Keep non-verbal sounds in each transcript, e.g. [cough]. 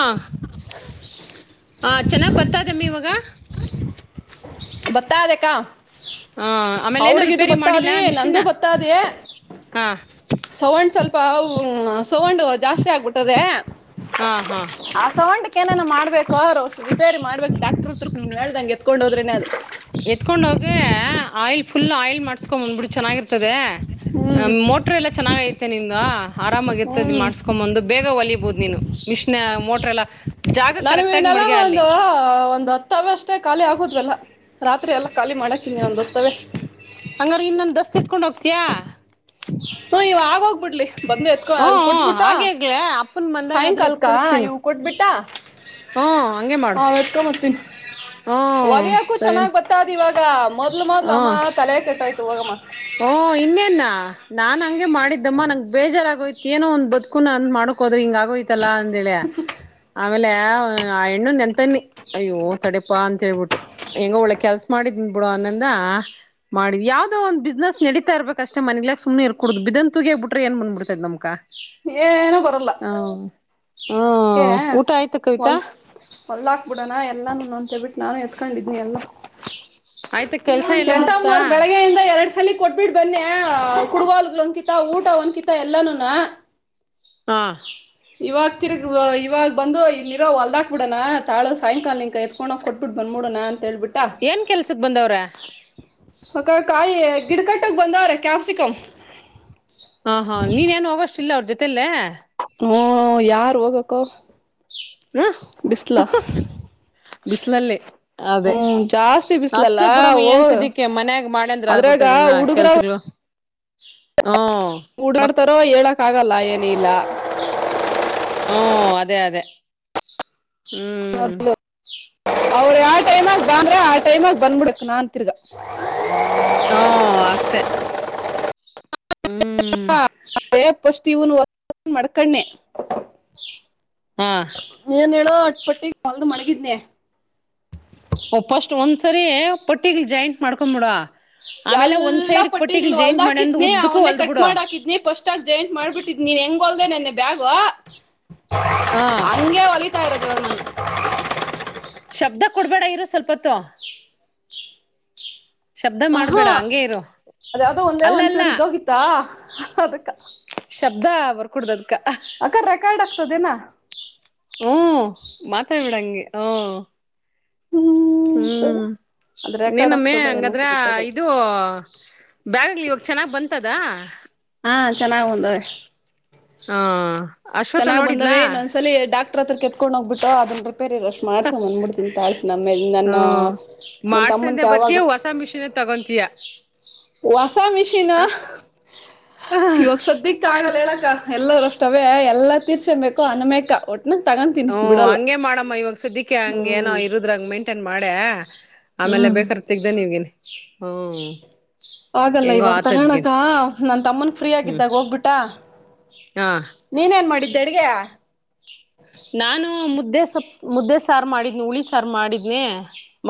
ಹಾ ಹ ಚೆನ್ನಾಗ್ ಬರ್ತಾದೆಮ್ಮಿ ಇವಾಗ ಬತ್ತಾದಕ್ಕಾ ಹ ಆಮೇಲೆ ಏನೋ ಅವಡ್ಗಿದು ರಿಪೇರಿ ಮಾಡಿಲ್ಲ ಬತ್ತಾದಿ ಮಿಷಿನ್ ನಂದೂ ಬತ್ತಾದಿಯ ಹಾ ಸಗಂಡ್ ಸ್ವಲ್ಪ ಸಗೊಂಡ್ ಜಾಸ್ತಿ ಆಗ್ಬಿಟ್ಟದೆ ಹಾ ಹಾ ಆ ಸೌಂಡ್ಕ್ ಏನೇನು ಮಾಡ್ಬೇಕ ರಿಪೇರಿ ಮಾಡ್ಬೇಕು ಡಾಕ್ಟರ್ ಹತ್ರ ನಿಮಗೆ ಹೇಳ್ದಂಗೆ ಕತ್ಕೊಂಡ ಹೋದ್ರೇ ಅದು ಎತ್ಕೊಂಡ ಹೋಗ ಆಯಿಲ್ ಫಲ್ ಆಯಲ್ ಮಾಡಕೊಂಡೊಂಬ್ಬಿು ಚೆನ್ನಾಗಿರ್ತದೆ ಹ್ಮ್ ಮೋಟ್ರ ಎಲ್ಲಾ ಚೆನ್ನಾಗ ಐತೆ ನಿಮ್ದ ಆರಾಮಾಗಿ ಇತ್ತದ ಹ್ಮ್ ಮಾಡ್ಸ್ಕೊ್ ಬಂದು ಬೇಗ ಒಲಬಹದು ನೀನು ಮಿಷ ಮೋಟ ಲ ನಾನವ ನಲ್ಲ ಒಂದು ಒಂದು್ ಹತ್ತ ಬಷ್ಟ ಅಷ್ಟೇ ಖಾಲಿ ಆಗೋದ್ವೆಲ್ಲ ರಾತ್ರಿ ಎಲ್ಲ ಖಾಲಿ ಮಾಡಕಿನಿಂದು ಹತವೆ ಸಿತ್ಕೊಂಡ್ ಹೋಗ್ತಯಾ ಹ ಇವ ಆಗೋಗ್ಬಿಡ್ಲಿ ಬಂದು ಎತ್ಕೊ ಹ್ಮ ಇ ಕೊಟ್ಬಿಟ್ಟ ಹಾಗೆ ಆಗ್ಲ ಅಪ್ಪನ್ ಬಂದಾಗಾದ್ರೂ ಎತ್ ಸಾಯಂಕಾಲಕ್ಕ ಕಳಿಸ್ತೀನಿ ಇವ ಕೊಟ್ಬಿಟ್ಟ ಹ್ಮ ಹಂಗೆ ಮಾಡು ನ್ ಎತ್ಕೊತೀನಿ ಹ್ಮ ಒಲಯಕ್ಕೂ ಸರಿ ಚೆನ್ನಾಗ್ ಬತ್ತಾದ್ ಇವಾಗ ಮೊದ್ಲು ಮೊದ್ಲಮ್ಮ ಹ್ಮ ತಲೆ ಕೆಟ್ಟೋಯ್ತು ಹೋಗಮ್ಮ ಹಗೆ ಮಾಡಿದ್ದಮ್ಮ ನಂಗಗೆ ಬೇಜಾರಾಗಯ ಏನೋ ಒಂದ ಬದುಕುನ ಅಂದ್ ಮಾಡಕ್ ಹೋದ್ರೆ ಹಿಂಗ ಆಗೋಯ್ತಲ್ಲ ಅಂದೇಳಿಯ ಆಮೇಲೆ ಆ ಹೆಣ್ಣು ನೆನ್ಂತನಿ ಅಯ್ಯೋ ತಡೆಪಾ ಅಂತ ಅಂತೇಳ್ಬಿಟ್ಟು ಹೆಂಗ ಒಳಗ್ ಕೆಲ್ಸ ಮಾಡಿದ್ನ್ ಬಿಡು ಅನ್ನಂದ ಮಾಡಿದ್ ಯಾವ್ದೋ ಒಂದ ಬಿಸ್ನೆಸ್ ನಡೀತಾ ಇರ್ಬೇಕ ಅಷ್ಟೇ ಮನಗ್ಲಾಕ್ ಸು್ನೆ ಇರ್ಕಡುದ್ ಬನ್ ತಗಿ ಬಿ್ರೆ ಏನ್ ಬಂದ್ ಬಿಡ್ತೈ್ ನಮ್ಕ ಏನ ಬರಲ್ಲ ಹ ಹಾ ಅದ್ಕ್ಕೆೇ ಊಟ ಆಯ್ತ ಕವಿತಾ ಹೊಲ್ ಹೊಲ್ಾಕ್ಬಿಡೋಣ ಎಲ್ಲಾನು ಅಂತೇಬಿಟ್ಟು ನಾನು ಎ ತ್ಕೊಂಡಿದನಿ ಎಲ್ಲ ಆಯ್ತ ಕೆಲ್ಸ ಎಲ್ಲ ಮುಗ್ತಾ ಎಟಮ್ಮನ ಬೆಳಗ್ಗೆಯಿಂದ ಎರಡ್ ಸಲ ಕೊಟ್ಬಿಟ್ಟ ಬನ್ನಿ ಕುಡುಗಾಲ ಒಂದಕಿತ ಊಟ ಒಂದಕಿತ ಎಲ್ಲಾನ ನ ಹಾ ಇವಾಗ್ತಿೀರ [unintelligible] ಇವಾಗ ಬಂದು ಇ ನೀರೋ ಹೊಲ್ದಾಕ್ ಬಿಡಣ ತಾಳ ಸಾಯಂಕಾಲ ನಿಂಕ ಎತ್ಕೋ ಕೊಟ್ಬಿ ಬಂದಬಿಡಣ ಅಂತೇಳ್ಬಿಟ್ಟು ಏನ್ ಕೆಲ್ಸಕ್ ಬಂದವ್ರ ಅ ಕಾಯಿ ಗಿಡಕಟ್ಟ [unintelligible] ತಂದವರೇ ಕ್ಯಾಪ್ಸಿಕಮ ಹ ಹಾ ನೀನ್ೇನ್ ಹೋಗ [unintelligible] ಇಲ್ಲ ಜೊತೆಯಲ್ಲೆ ಹ್ಮ ಯಾರ್ ಹೋಗಕ್ಕ ಹ್ಮ ಬಿಸಿಿನಲ್ಲಿ ಅದೇ ಹ್ಮ್ ಜಾಸ್ತಿ ಬಿಸ್ಲಲ್ಲ ಅಷ್ಟೇ ಬುಡಮ್ಮ ಓ ಏನ್ ಸದ್ಯಕ್ಕೆ ಮನ್ಯಾಗ ಮಾಡಂದ್ರೆ ಅದ್ರಾಗ ಆಗತದ ಎಲ್ಲಾ ಹುಡುಗ್ರ ಕೆಲ್ಸಗಳು [inaudible] ಮಕ್ ಓಡಾಡ್ತಾರೋ ಹೇಳಕ್ ಆಗಲ್ಲ ನೀೀಲ [unintelligible] ಹ್ಮ ಅದೇ ಅದೇ ಹ್ಮ್ ಮೊದಲು ಅವ್ರ ಯಾವ ಟೈಮ [unintelligible] ಬ ಅಂದ್ರ ಆ ಟೈಮ್ ಅದು ಬಂದ್ಬಡಕ ನಾನಂತರುಗ ಹ ಅಷ್ಟೆ ಹ್ಮ್ ಪು [unintelligible] ೂನ್ ಒ ಮಡ್ಕಣ್ಣೆ ಹಾ [unintelligible] ಏನ್ ಹೇಳ ಅಟ್ ಪಟ್ಟಿ ಕಲ್ ಮಾಡ ಕಿದನ [unintelligible] ಫಸ್ಟ್ ಒಂದ್ಸರಿ ಪಟ್ಟಗ್ ಜಾಯಿಂಟ್ ಮಾಡ್ಕೊಂಡ್ಬಿಡ ಎಲ್ಲಾ ಪಟ್ಟಿಗಳು ಮಾಡಂದು ಅಲ್ದಾಕಿದ್ನಿ ಉದ್ದಕ್ಕೂ ಅವನ್ನೇ ಹೊಲ್ದ್ ಕಟ್ ಬಿಡು ಮಾಡ್ ಹಾಕಿದ್ನಿ ಫಸ್ಟ್ ಆಗ ಜಾಯಿಂಟ್ ಮಾಡ್ಬಿಟ್ಟಿದ್ಿ ನೀನ್ ಹೆಂಗ ಹೊಲದೆ ನನ್ನೆ ಬ್ಯಾಗ ಹ ಹಂಗೆ ಒಲಿತಾ ಇರದು ಇವಾಗ ಶಬ್ದ ಕೊಡ್ಬೇಡ ಇರು ಸ್ವಲ್ಪತ್ತು ಶಬ್ದ ಹ ಹಾ ಮಾಡ್ಬೇಡ ಹಂಗೇ ಇರು ಅದ ಯಾವುದೋ ಒಂದೇ ಅಲ್ಲ ಅಲ್ಲ ಒಂದ್ಚೂರು ಇದೋಗಿತ್ತಾ ಹೌಬೇಕಾ [unintelligible] ಶಬ್ದ ಬರ್ಕುಡ್ದು ಅಕ್ಕ ರೆಕಾರ್ಡ್ ಆಗ್ತದೇನಾ ಹ ಮಾತಾಡ್ಬಿಡಂಗ ಹ ಹ್ಮ್ ಅದ್ ರೆಕಾರ್ಡ್ ಇನ್ನೊಮ್ಮೆ ಆಗ್ತದ ಹಂಗಾದ್ರ ಏನಂತ ಗೊತ್ತಾಗಲ್ಲ ಇದು ಬ್ಯಾಗಲಿ ಇವಾಗ ಚೆನ್ನಾಗ್ ಬಂತದ ಹಾ ಚೆನ್ನಾಗ್ ಬಂದವ ಹಾ ಅಶ್ವಥ ನೋಡಿದ್ಲಾ ತೊಗೊಂಡು ಡುಹೋಗ್ಬಿಟ್ರಾ ಅದ್ರೆ [unintelligible] ಪೇರ್ ಅಷ್ಟ್ ಮಾಡ್ಸ ಬಂದಬಿಡ್ತ ತಾಳ್ಸ ನೇ ನನ್ನ ಹ್ಮ ನನ್ ಯಜಮಾನ್ ತಮ್ಮನ್ಕ ಮಾಡ್ಸಂದೆ ಯಾವಾಗ ಬತ್ತಿಯ ಹೊಸ ಮಿಷಿನ್ ತಗೊಂತೀಯ ವಾಸ ಮಿಷಿನ ಇವಾಗ ಸದ್ಯಕ್ ಆಗಲ್ಲ ಹೇಳಕ್ಕ ಎಲ್ಲರೂ ಅಷ್ಟು ಎಲ್ಲಾ ತೀರ್ಸಕೊಬೇಕು ಅನುಮೇಕ ಒಟ್ಟ ಹ್ಮ ಹಂಗಗೆ ಮಾಡಮ್ಮ ಇವಾಗ ಸುದ್ದಕ್ಕೆ ಹಂಗ ಏನೋ ಹ್ಮ್ ಇರುದ್ರ ಹಂಗ ಮೇಂಟೈನ್ ಮಾಡೇ ಆಮೇಲೆ ಹ್ಮ್ ಬೇಕರ್ತ್ದ ನೀ ಹ್ಮ ಆಲ್ಲ ಇವಾಗ ತಗೋಣಕ ನನ್ ತಮ್ಮನ್ ಫ್ರೀ ಹ್ಮ್ ಆಗಿದ್ದಾಗ ಹೋಗ್ಬಿಟ್ಟ ಹಾ ನೀನ್ ನೇನ ಮಾಡಿದ್ದೆ ಅಡ್ಗೆ ನಾನು ಮುದ್ದೆ ಸಪ್ ಮುದ್ದೆ ಸಾರು ಮಾಡಿದ್ನಿ ಹುಳಿ ಸಾರು ಮಾಡಿದ್ನಿ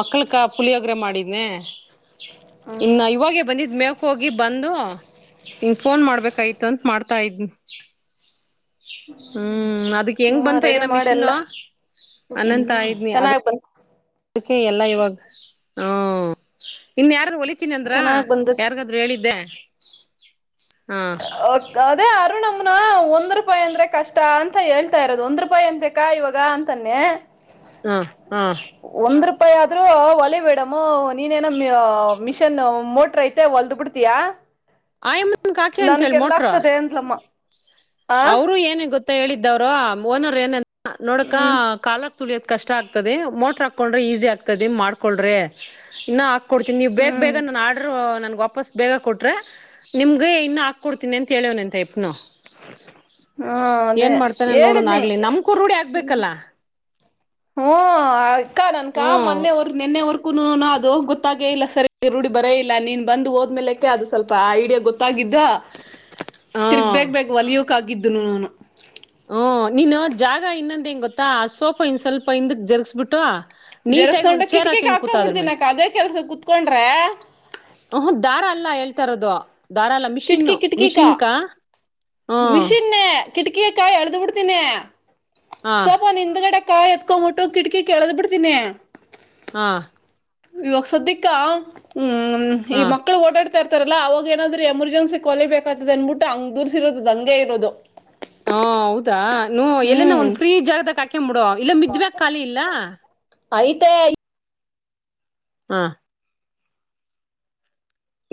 ಮಕ್ಳಕ ಪುಳಿಯೋಗರೆ ಮಾಡಿದನನೆ ಇನ್ನ ಇವಾಗೇ ಬಂದಿದ್ ಮೇ ಹೋಗಿ ಬಂದು ಫೋನ್ ಮಾಡ್ಬೇಕಾಯತ ಅಂತ ಮಾಡ್ತಾ ಇದ್ನಿ ಹ್ಮ್ ಅದಕ್ಕೆ ಹೆಂಗ್ ಹ್ಮ ಬಂತ ರೆಡಿ ಏನ ಮಿಷಿನ್ ಮಾಡೆಲ್ಲಾ ಅನ್ನಂತ ಹಂಗಂತ ಅದ [inaudible] ಅದಕ್ಕೆ ಎಲ್ಲ ಇವಾಗ ಹ ಇನ್ ಯಾರ ಹೊಲಿ ಹೋಲ್ತಿನ್ ಅಂದ್ರ ಚೆನ್ನಾಗ್ ಹೇಳ್ತೀನಿ ಅಂದ್ರ ಬಂದತಿ ಯಾರಿಗಾದರೂ ಹೇಳಿದ್ದೆ [inaudible] ಅದೇ ಅರುಣಮ್ಮನ ಒಂದ್ ರೂಪಾಯಿ ಅಂದ್ರೆ ಕಷ್ಟ ಅಂತ ಹೇಳ್ತಾ ಇರೋದು ಒಂದ್ ರೂಪಾಯಿ ಅಂತೆ ಕಾ ಇವಾಗ ಅಂತಾನೆ ಹಾ ಹಾ ಒಂದ್ ರೂಪಾಯಿ ಆದ್ರೂ ಒಲೆ ಮೇಡಮು ನೀನೇನೋ ಮಿಷನ್ ಮೋಟ್ರ ಐತೆ ಹೊಲ್ದ ಬಿಡ್ತೀಯಾ ಆಯಮ್ಮನ್ಗ್ ಹಾಕೆ ಅಂತ ನನಕ್ ಹೇಳಿ ಎಲ್ಲ ಮೋಟ್ರ ಆಗ್ತದೆ ಅಂತಲಮ್ಮ ಅವರು ಏನ ಗೊತ್ತಾ ಹೇಳಿದ್ದವರು ಓನರ್ ಏನಂತ ಹ ನೋಡಕ ಹ್ಮ್ ಕಾಲ ತುಲಿಯೋದ ಕಷ್ಟ ಆಗ್ತದೆ ಮೋಟ್ರ ಹಾಕೊಂಡ್ರೆ ಈಸಿ ಆಗ್ತದೆ ಮಾಡ್ಕೊಳ್ರೆ ಇನ್ನ ಕೊಡ್ತೀನಿವು ಬೇಗ ಹ್ಮ್ ಬೇಗ ನನ್ನ ಆರ್ಡರ್ ನನ್ ವಾಪಸ್ ಬೇಗ ಕೊಟ್ರೆ ನಿಮ್ಗೆ ಇನ್ನು ಹಾಕ ಕೊಡ್ತನಿ ಅಂತ ಎಳೆಯೋನಂತೆ ಹಾ [unintelligible] ಏನ್ ಅದೇ ಮಾಡ್ತಾನೆ ನೋಡೋಣ ಹೇಳಿದ್ನಿ ಆಗ್ಲಿ ನಮ್ಕೂ ರೂಡಿ ಆಗ್ಬೇಕಲ್ಲ ಹ್ಮ ಅಕ್ಕಾ ನನ್ಕಾ ಹ್ಮ್ ಮೊನ್ನೆವರ್ ನಿನ್ನೆವರ್ಕೂನು ದು ಗೊತ್ತಾಗೇ ಇಲ್ಲ ಸರಿ ರೂಢಿ ಬರೇ ಇಲ್ಲ ನೀನ್ ಬಂದು ಹೋದ್ಮೇಲೆಕ್ಕೆ ಅದು ಸ್ವಲ್ಪ ಐಡಿಯಾ ಗೊತ್ತಾಗಿದ್ದು ಹ ತಿರುಗಿ ಹ್ಮ್ ಬೇಗ ಬೇಗ ಹೊಲಿಯೋಕ್ಕಾಗದ ಹಗಿದ್ದುನು ನಾನು ಹಓ ನೀನ್ ಜಾಗ ಇನ್ನಂದ ಹೆಂಗ ಗೊತ್ತಾ ಆ ಸೋಪ ಇಿಂದ ಸ್ವಲ್ಪ ಹಿಂದ ಜರ್ಗ್ಸ್ಬಿಟ್ಟು ಜರ್ಸ್ಕೊಂಡು ಕಿಟಕಿಕ್ ಹಾಕಬಡ್ತಿನಕ ಅದೇ ಕೆಲ್ಸ ಕುೂತ್ಕೊಂಡ್ರ ತರದ ದಾರಾಲ ಮಿಷಿನ್ ಮಿಷಿನ್ ಕಾ ಹಾ ಕಿಟಕಿಕಾ ಎಲ್ದೂ ಬಿಡ್ತೀನಿ ಹಾ ಸೊಪ ನಿಂದುಗಡೆ ಕಾಯಿ ಎತ್ಕೊಂಬಿಟ್ಟು ಕಿಟಕಿ ಕೇಳದ್ ಬಿಡ್ತೀನಿ ಹಾ ಇವಾಗ ಸದ್ಯಕ್ಕ ಹ್ಮ್ ಈ ಹಾ ಹ ಮಕ್ಕಳು ಓಡಾಡ್ ಇರ್ತಾರಲ್ಲ ಅವಾಗ ಏನಂದ್ರೆ ಎಮರ್ಜೆನ್ಸಿ ಕೊಲಿಬೇಕತದ ಅಂದ್ಬಿಟ್ಟು ಹಂಗ್ ದೂರ್ಸಿರೋದ ಹಂಗೆ ಇರೋದು ಹಾ ಹೌದಾ ನ ಎಲ್ಲ ನಾ ಹ್ಮ್ ಒಂದ ಫ್ರೀ ಜಾಗದಾ ಂಬಡೋ ಇಲ್ಲ ಮಿದ್ಬೇಕಕ್ ಖಾಲಿ ಇಲ್ಲ ಆಯ್ತೆ ಹಾ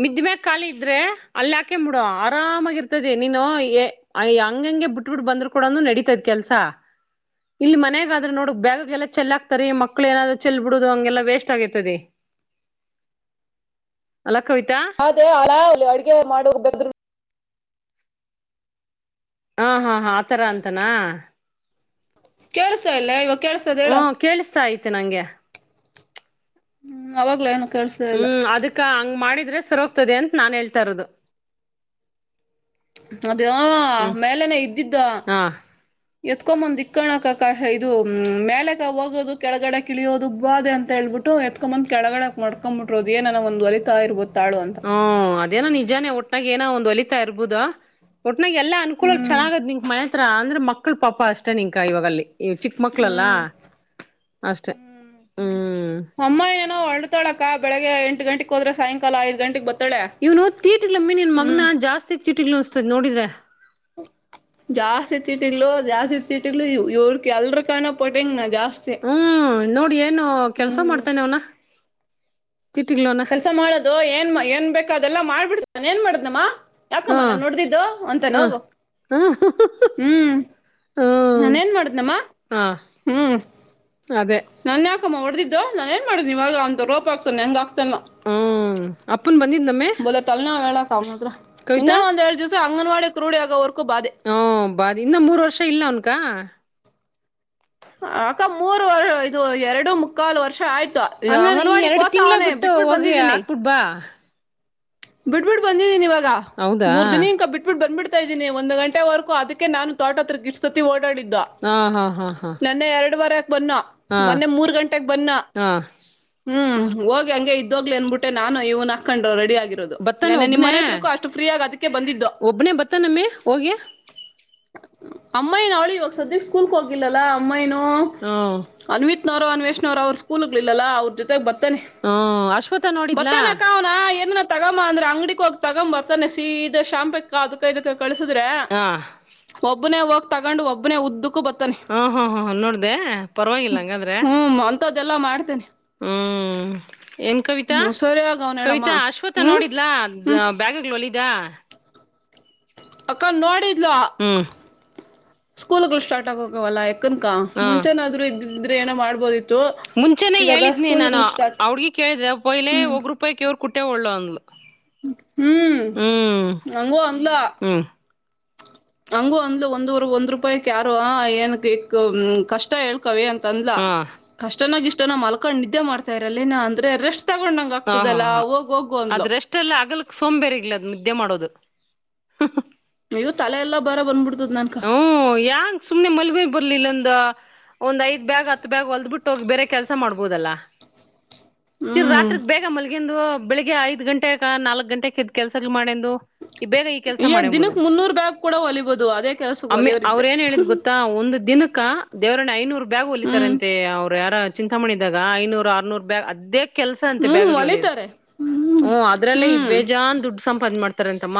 ಮಿದ ಮ್ಯಾಗ ಖಾಲಿ ಇದ್ರೆ ಅಲ್ಲಿಾಕೆ ಮುಡೋ ಆರಾಮಾಗಿ ಇರ್ತದೆ ನೀನು ಹಂಗಂಗೆ ಬಿಟ್ ಬಿಿಟ್ ಬಂದ್ರರು ಕೂಡನು ನಡತದ್ ಕೆಲ್ಸ ಇಲ್ಲಿ ಮನಯಗಾದ್ರ ನೋಡು ಬ್ಯಾಗ ಎಲ್ಲಾ ಚೆಲ್ ಹಾಕ್ತಾರಿ ಮಕ್ಳು ಏನಾದ್ರು ಚೆಲ್ಲ ಬಿಡುದು ಹಂಗೆಲ್ಲಾ ವೇಸ್ಟ್ ಆಗೈತದ [unintelligible] ಹಾ ಹಾ ಆತರ ಅಂತಾನ ಕೆಳಸ್ತ ಇಲ್ಲ [unintelligible] ಕೆಳ್ಸದ ಹೇಳ ತಿ ನಗೆ ಅವಾಗ್ಲ ಏನು ಕೇಳ್ಸ್ಲ ಇಲ್ಲ ಹ್ಮ್ ಅದಕ್ಕ ಹಂಗ್ ಮಾಡಿದ್ರೆ ಸರ ಹೋಗ್ತದೆ ಅಂತ ನಾನ್ ಹೇಳ್ತಾ ಇರೋದು ಅದ ಹ್ಮ್ ಮೇಲೆನೆ ಇದ್ದಿದ್ದ ಹಾ ಎತ್ಕೊಂಬಂದ್ ಇಕ್ಕಕಕ ಇದು ಮೇಲೆಕ ಹೋಗೋದು ಕೆಳಗಡೆ ಕಿಳಿಯೋದು ಬಾದೆ ಅಂತ ಹೇಳ್ಬಿಟ್ಟು ಎತ್ಕೊಂಬಂದ್ ಕೆಳಗಡೆ ಮಾಡ್ಕೊ್ಬಿಟ್ಟರೋದು ಏನೋ ಒಂದು ಹೋಲಿತ ಇರ್ಬೋದು ತಾಳು ಅಂತ ಹ್ಮ ಅದೇನ ನಿಜಾನೇ ಒಟ್ಟು ನ ಏನೋ ಒಂದು ಒಲಿತಾ ಇರ್ಬೋುದಾ ಆ ನ ಎಲ್ಲ ಅನುಕೂಲ ಹ್ಮ್ ಚೆನ್ನಾಗತ್ ನಿಕ ಮನೆಗೆ ಹತ್ರ ಅಂದ್ರೆ ಮಕ್ಕಳ ಪಾಪ ಅಷ್ಟೇ ನಿಂಕ ಇವಾಗ ಅಲ್ಲಿ ಹ್ಮ್ ಅಷ್ಟೆ ಹ್ಮ್ ಹ್ಮ್ ಅಮ್ಮ ಏನೋ ಹೊಳ್ಳತೊಳಕ್ಕ ಬೆಳಿಗ್ಗೆ ಎಂಟು ಎಂಟು ಗಂಟೆಗೆ ಹೋದ್ರೆ ಸಾಯಂಕಾಲ ಐದು ಗಂಟೆಗೆ ಬತ್ತು ಇವನು ತೀಟಿಲಮ್ಮಿ ನಿನ್ ಮಗನ ಜಾಸ್ತಿ ಚಿಟಿಲ್ಲೂ್ ಅನಿಸ್ತಿದೆ ನೋಡಿದ್ರೆ ಜಾಸ್ತಿ ತಿಟ್ಟಗ್ಲೋ ಜಾಸ್ತಿ ತಿಟ್ಟಿಗಲು ಇವ್ರ ಎಲ್ರ ಕಾನ ಪೋಟಿಂಗ್ ನ ಜಾಸ್ತಿ ಹ್ಮ್ ನೋಡಿ ಏನು ಕೆಲ್ಸ ಹ್ಮ್ ಮಾಡ್ತೇನೆ ಅವ್ನ ಚಿಟಿಗ್ಲೋನ ಕೆಲ್ಸ ಮಾಡೋದು ಏನ್ ಏನ್ ಬೇಕು ಅದೆಲ್ಲಾ ಮಾಡ್ಬಿಡ್ತ ನಾನ ಏನ್ ಮಾಡನಮ್ಮ ಹಾ ಯಾಕಮ್ಮ ನಾನ್ ನೋಡ್ದಿದ್ದು ಅಂತ ನ ಹ ಹೋಗು ಹ ಹ್ಮ್ ಹ್ಮ್ ನಾನೇನ್ ಮಾಡುದ್ನಮ್ಮ ಹ ಹ್ಮ್ ಅದೇ ನನ್ ಯ ಅಕಮ್ಮ ಹೊಡೆದಿದ್ದು ನಾನ ಏನ್ ಮಾಡೀನ ಇವಾಗ ಅಂತಂದು ರೋಪ ಆಗ್ತದೆೆ ಹೆಂಗ ಹ್ಮ್ ಅಪ್ಪನ್ ಬಂದಿದ್ನಮ್ಮೆ ಬಲತಲ್ ನೋವು ಹೇಳ [unintelligible] ಇನ ಒಂದ್ ಎಲ್ದಿವಾಸ ಅಂಗನವಾಡಿ ಕ್ರರುಡಿಯಗ ಅವರು ಹ ಬಾದಿ ಇನ್ನ ಮೂರ್ ವರ್ಷ ಇಲ್ಲ ಅವನ್ಕ ಆಕ ಮೂರ್ ವರ್ಷ ಇದು ಎರಡು ಮುಕ್ಕಾಲು ವರ್ಷ ಆಯ್ತು ಹಂಗನ್ ಈ ಅಂಗನವಾಡಿ ಎರಡ್ ಕೋತ ತಿಂಗಳ ಅವನೇ ಬಿಟ್ಟು ಹೋಗಿ ಹಾಕ್ಬಿಡ್ಬಾ ಬಿಡ್ಬಿಡ್ ಬಂದಿದ್ದೀನಿ ಇವಾಗ ಹೌದಾ ಮೂರ್ ದಿನಿ ಇಂಕ ಬಿಟ್ಬಿಟ್ಟ ಬಂದ ಇದೀನಿ ಒಂದು ಗಂಟೆವರೊ ಅದಕ್ಕೆ ನು ತೋಟ ಹತ್ರ ಗಿಟ್ಸತಿ ಆಡಿದ್ದ ಹಾ ಹಾ ಹಾ ಹಾ ನನ್ನೆ ಎರಡು ವಾರ ಬನ್ನ ಹಾ ಮೊನ್ನೆ ಮೂರ್ ಗಂಟೆೆಗೆ ಬನ್ನ ಹಾ ಹ್ಮ್ ಹೋಗಿ ಹಂಗೆ ಇದ್ದೋಗ್ಲಿ ಅನ್ಬಿಟ್ಟೆ ನಾನು ಇವ್ನ ಹಾಕೊಂಡ್ರು ರೆಡಿ ಆಗಿ ಬತ್ತಾನ ಒಬನೇ ಅದಕ್ಕೆ ಬಂದಿದ್ದು ಒಬನೇ ಬತ್ತನಮ್ಮಿ ಹೋಗಿ ಅಮ್ಮಾಯಿ ನ ಅವಳಿ ಇವಾಗ ಸದ್ಯಕ್ಕೆ ಸ್ಕೂಲ್ಕ್ ಹೋಗಲಿಲ್ಲಲ್ಲಾ ಅಮ್ಮಾಯಿನ ಹೂ ಹ್ಮ್ ಅನ್ವಿತ್ ನ ಅವರ ಅನ್ವೇ್್ಣ ಅವ್ರ ಸ್ಕೂಲ್ಗಳಿಲ್ಲಲ್ಲ ಅವ್ರ ಜೊತೆ ಬ ಹ್ಮ್ ಅಶ್ವಥ ನೋಡಿದ್ಲಾ ಬತ್ತಾನಾಕ ಅವನಾ ಏನನ ತಗೊಂಬ ಅಂದ್ರ ಅಂಗಡಿ ಹೋಗ್ ತಗೊಂಬ ಬರ್ತಾನೆ ಸೀದಾ ಶಾಂಪಿಕ್ ಅದಕ ಇದಕ ಕಳಸುದ್ರೆ ಹಾ ಒಬ್ಬ ಒಬ್ಬನೇ ಹೋಗಕ್ ತಗೊಂಡ ಒಬ್ಬನ ಉದ್ದಕ್ಕು ಹಾ ಹಾ ಹ್ಮ ನೋಡ್ದ ಪರವಾಗಿಲ್ಲ ಹಂಗಾದ್ರೆ ಇದೆಲ್ಲ ಮಾಡ್ತೇನೆ ಹ್ಮ್ ಏನ್ ಕವಿತಾ ಹ್ಮ್ ಸರಿಯಾಗಿ ಅವನ ಹೇಳಮ್ಮ ಕವಿತಾ ಆಶ್ವತ್ ಹ್ಮ್ ನೋಡಿದ್ಲ ಹ್ಮ್ ಬ್ಯಾಗಗಳು ವಳಿದ ಅಕ್ಕ ನೋಡಿ [unintelligible] ಹ್ಮ್ ಸ್ಕೂಲ್ ಗಳು ಸ್ಟಾರ್ಟ್ ಆಗೋಗವಲ್ಲ ಕನ್ಕಾ ಮುಂಚೆನಾದ್ರರು ಇದ ಇದ್ರ ಏನ ಮಾಡಬೋದಿತ್ತು ಮುಂಚೆನೇ ಹೇಳಿದ್ನಿ ನಾನು ಅವಡ್ಗಿ ಕೇಳಿದೆಯ್ಲೆ ಪೋಯಿಲೆ ಹ್ಮ್ ಒೋಗ ರೂಪಾಯಿವ ಕುಟೆ ಒಳ್ಳು ಅಂದ್ಲು ಹ್ಮ್ ಹ್ಮ್ ನಂಗೂ ಅಂದಲ ಹ್ಮ್ ಹಂಗು ಅಂದ್ಲ ಒಂದ್ೂರು ಒಂದ್ ರೂಪಾಯಿಕ್ ಯಾರು ಏನ ಕಷ್ಟ ಹೇಳ್ ಕವಿ ಅಂತ ಅಂದಲ ಹಾ ಕಷ್ಟನಾಗಿ ಇಷ್ಟ ನ ಮಲ್ಕೊಂಡ್ ನಿದ್ದೆ ಮಾಡ್ತಾ ಇರಲಿ ನಾ ಅಂದ್ರೆ ರೆಷ್ಟಟ್ ತಗೊಂಡಂಗ ಹಾ ಆಗ್ತದಲ್ಲ ಹೋಗ್ ಹೋಗು ಅಂದ್ಲ ಸೋಂಬೇರೆಗ್ಲದ ನಿದ್ದೆ ಮಾಡೋದು ನೀವು ತಲೆ ಎಲ್ಲ ಬಾರ ಬಂದ್ಬಿಡ್ು ಹ್ಮ್ ಯಾಂಗ ಸುಮ್ನೆ ಮಲ್ಗ ಬರ್ಲಿ ಇಲ್ಲೊಂದ ಒಂದ್ ಐದ್ ಬ್ಯಾಗ್ ಹತ್ರ ಬ್ಯಾಗ ಹೊಲ್ದ್ ಬಿಿಟ್ಟ ಹೋಗಿ ಬೇರೆ ಕೆಲಸ ಮಾಡ್ಬೋದಲ್ಲಾ ತಿರಾ ಹ್ಮ್ ರಾತ್ರಿಗ್ ಬೇಗ ಮಲ್ಗ ಒಂದು ಬೆಳಗ್ ಐದ ಗಂಟೆಗೆ ನಾಲ್ಕಕ್ ಗಂಟೆದ ಕೆಲಸಗಳು ಮಾಡ ಈ ದಿನಕ್ಕೆ ಮುನ್ನೂರು ಬ್ಯಾಗ್ ಕೂಡ ಹೊಲಿಬಹದು ಅದೇ ಕೆಲಸ ಅಮ್ಮಿ ಅವ್ರ ಏನ್ ಹೇಳಿದ್ ಗೊತ್ತಾ ಒಂದು ದ ಇಕ್ಕಾ ದೇವರನೆ ಐನೂರು ಬ್ಯಾಗ್ ಹೊಲಿತಾರ ಹ್ಮ್ ಅಂತೆ ಅವ್ರು ಯಾರ ಚಿಂತಾ ಮಾಡಿದಾಗ ಐನೂರು ಆರ್ನೂರು ಬ್ಯಾಗ್ ಅದೇ ಅದೇ ಕೆಲ್ಸ ಅಂತೆ ಹ್ಮ್ ಬ್ಯಾಗ್ಗಳು ಹೊಲಿಯೋದು ಹೊಲಿತಾರೆ ಹ್ಮ್ ಅದ್ರಲ್ಲೇ ಇ ಹ್ಮ್ ಬೇಜಾನ್ ದುಡ್ ಸಂಪಾದನೆ ಮಾಡ್ತಾರ ಅಂತಮ್ಮ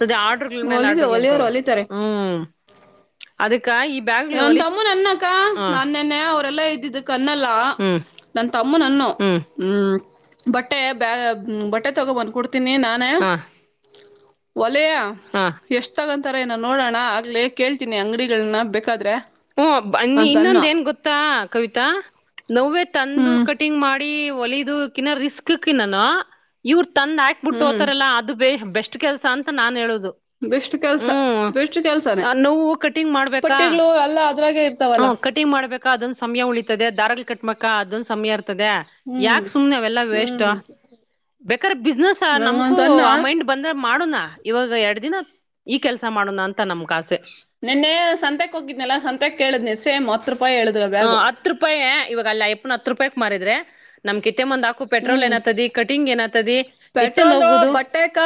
ಸದ ಆಡ್ರರ್ಗಳಲ್ ಮೇಲೆ ಆಡ್್ರಗ್ಲಿ ಒಲಿತಾರೆ ಅದಕ್ಕೆ ನನಾ ತಮ್ಮು ನನ್ನಕ್ಕ ಹ ನಾ ನೆನ್ನೆ ಅವರೆಲ್ಲಾ ಇದ್ದ ಕನ್ನಲ್ಲ ಹ್ಮ್ ನನ್ನ ತಮ್ಮನ್ ಅನ್ನು ಹ್ಮ್ ಹ್ಮ ಬಟ್ಟೆ ಬ ಬಟ್ಟೆ ತಗೋ ಬಂದ್ ಕುಡ್ತ ತಿನ ನಾನೆ ಹ ಅಲ ಹ ಎಷ್ಟ ತಗ ತಾರೇನೋ ನೋಡಣ ಆಗ್ಲೇ ಕೇಳ್ತೀನಿ ಅಂಗಡಿಗಳ್ನ ಬೆ ಕದ್ರೆ [unintelligible] ಹೂ ಬಾ ಇನ್ನೊಂದ ಏನ್ ಗೊತ್ತಾ ಕವಿತಾ ನೋವೇ ತಂದು ಹ್ಮ್ ಕಟಿಂಗ್ ಮಾಡ ಮಾಡಿ ಒಲಿದಕ ರಿಸ್ಕ್ ನಾನ ಇ್ರ ತಂದ್ ಹಾಕ್ಬಿಟ್ಟು ಹ್ಮ್ ಹೋತಾರಲ್ಲ ಅದು ಬ ಬೆಸ್ಟ್ ಕೆಲಸ ಅಂತ ಅಂತ ನಾನ್ ಹೇಳುದು ಬೆಷ್ಟಟ್ ಕೆಲ್ಸ ಹ್ಮ್ ಬೆಸ್ ಕೆಲ್ಸನೇ ನೋವು ಕಟಿಂಗ್ ಮಾಡ್ಬೇಕಾ ಪಟ್ಟಿಗಳು ಎಲ್ಲ ಅದ್ರಾಗೆ ಇರ್ತಾವಲ್ಲ ಹ ಕಟಿಂಗ್ ಮಾಡ್ಬೇಕಾ ಅದೊಂದು ಸಮಯ ಉಳೀಿತದೆ ದಾರಲ್ ಕಟ್್ಮಕ್ಕಾ ಅದ ಸ ಸಮಯರ್ [inaudible] ಹ್ಮ್ ಯಾಕೆ ಸುಮ್ನೆ ಅವೆಲ್ಲ ವೇಸ್ಟ್ ಹ್ಮ್ ಬೇಕ್ರ ಬಿಸ್ನೆಸ್ ನಮಕು ನಂಗಂತನ್ನ ಆ ಮೈಂಡ್ ಬಂದ್ರೆ ಮಾಡುಣ ಇವಾಗ ಎರಡ್ ದಿನ ಈ ಕೆಲ್ಸ ಮಾಡೋಣ ಅಂತ ನಮಕ್ ಆಸೆ ನಿನ್ನೆ ಸಂತೆಕ್ ಹೋಗಿದ್ನಲ್ಲಾ ಸಂತೆಕ್ ಕೇಳದ್ನ ಸ ಅತೃಪ್ [unintelligible] ಹ ಹತ್ತು ರೂಪಾಯಿ ಇವಾಗಲ್ಲಾಪ್ಪ ಹತ್ತು ರೂಪಾಯಿ ಮಾಡಾರಿದ್ರೆ ನಮ್ ಕ [inaudible] ಮಂದ್ ಹಾಕುೆ್ರೋ ಹ್ಮ್ ಏನತ ಕಟಿಂಗ ನತದೆ [unintelligible] ಪೆಟ್ರೋಲು ಬಟ್ಟೆಕ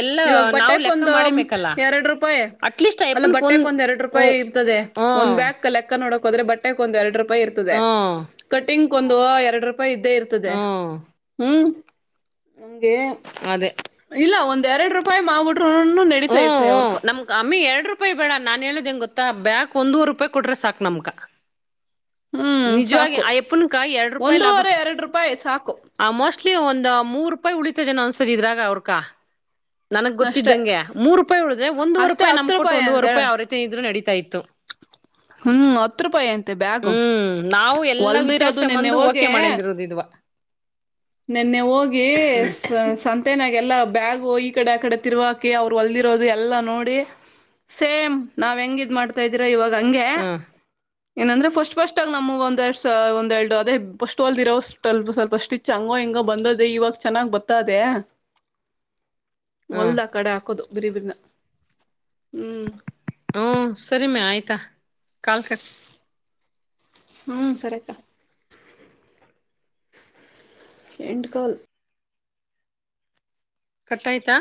ಎಲ್ಲ ಇವಾಗ ನಾವು ಬಟ್ಟೆಕ್ ಲೆಕ್ಕ ಒಂದು ಮಾಡೇಬೇಕಲ್ಲ ಎರಡು ರೂ [unintelligible] ಅಟ್ಲೀಸ್ಟ್ ಅಲ್ಲ ಅಯ್ಯಪ್ಪನ್ಕ್ ಬಟ್ಟೆಕ್ ಒಂದ್ ಎರಡ್ ರೂಪಾಯಿ ಇರ್ತದೆ ಹ್ಮ ಒಂದ ಹ್ಮ್ ಬ್ಯಾಗ್ ಕ ಲೆಕ್ಕ ನೋಡ ಹ್ರ ಬಟ್ಟೆ ಒಂದ ಎರಡು [inaudible] ರೂಪಾಯ್ ಇರ್ತದೆ ಹ್ಮ್ ಕಟಿಂಗ್ [inaudible] ಒಂದು ಎರಡು [unintelligible] ಅಪ ಇದ್ದೇ ಇರ್ತದೆ ಹ್ಮ್ ಹ್ಮ್ ನಮಗೆ ಅದೇ ಇಲ್ಲ ಒಂದ್ [unintelligible] ಎರಡು ರೂಪಾಯಿ ಮಾವುಡ್ [unintelligible] ನಡೀತಾ ಹ್ಮ್ ಇತ್ತೆ ಹ್ಮ್ ಅವ್ರಗ ನಮ್ [unintelligible] ಅಮ್ಮಿ ಎರಡ್ ರೂಪಾಯಿ ಬೇಡ ನಾನ್ ಹೇಳೋದ್ ಹೆಂಗ್ ಗೊತ್ತಾ ಬ್ಯಾಗ್ ಒಂದೂವರ್ ರೂಪಾಯ್ ಕೊಟ್ರೆ ಸಾಕ್ ನಮ್ಕ ಹ್ಮ್ ನಿಜ್ವಾಗಿ ಸಾಕು ಆ ಯಪ್ಪನ್ಕ ಎರ್ಡ್ ರೂಪಾಯಿ ಲಾಭ, ಒಂದೂವರೆ ಎರಡು ರೂಪಾಯಿ ಸಾಕು ಆ ಮೋಸ್ಟ್ಲಿ ಒಂದು ಮೂರ್ ರುಪಾಯ್ ಉಳಿತದೆನೋ ಅನ್ಸ್ತದ್ ಇದ್ರಾಗ ಅವ್ರ್ಕ ನನಗ್ ಅಷ್ಟೆ ಗೊತ್ತಿದ್ದಂಗೆ ಮೂರ್ ರೂಪಾಯಿ ಉಳ್ದ್ರೆ ಒಂದೂವರ್ ಅಷ್ಟೇ ರೂಪಾಯಿ ಹತ್ತು ನಮ್ಕ್ ಕೊಟ್ಟು ಒಂದುವರ್ ಅಂತೇಳ ರೂಪಾಯಿ ಅವ್ರೈತಿ ಇದ್ರುನು ನಡೀತಾ ಇತ್ತು, ಹ್ಮ್ ಹತ್ತು ರೂಪಾಯಿ ಅಂತೆ ಬ್ಯಾಗು ಹ್ಮ್ ನಾವು ಎಲ್ಲಾ ವಿಚಾರ್ಸ ಹೊಲ್ದಿರೋದು ನಿನ್ನೆ ಮಂದು ಓಕೆ ಹೋಗಿ ಮಾಡಂದಿರದ್ ಇದ್ವ ನೆನ್ನೆ ಹೋಗ್ ಈ ಸಂತೆನಾಗೆಲ್ಲಾ ಬ್ಯಾಗು ಈ ಕಡೆ ಆ ಕಡೆ ತಿರ್ವಾಕಿ ಅವ್ರು ಹೊಲ್ದಿರೋದು ಎಲ್ಲಾ ನೋಡಿ ಸೇಮ್ ನಾವ್ ಹೆಂಗ್ ಇದ್ ಮಾಡ್ತಾ ಇದ್ದೀರಾ ಇವಾಗ್ ಗಂಗೆ ಹ್ಮ್ ಏನಂದ್ರೆ ಫಸ್ಟ್ಫಸ್ಟ್ ಅಗ್ ನಮ್ ಒಂದೆರಡ್ ಒಂದೆರ್ಡು ಅದೇ ಫಸ್ಟ್ ಹೊಲ್ದಿರೋವ್ ಸ್ವಲ್ಪ ಚಂಗೋ ಹಿಂಗ ಬಂದದೆೇ ಇವಾಗ ಚೆನ್ನಾಗ್ ಬತ್ತದೆ ಹ್ಮ್ ಹೊಲ್ದ್ ಆ ಕಡೆ ಹಾಕ್ [unintelligible] ಹ್ಮ್ ಹ್ಮ ಸರಿ ಮ್ಯ ಆಯ್ತಾ ಕಾಲ್ ಕಟ್ ಹ್ಮ ಸರೆಕ್ಕಾ ಎಂಡ್ಕಲ್ ಕಟ್ ಆಯ್ತಾ?